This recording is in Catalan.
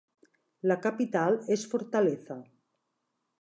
La capital és Fortaleza.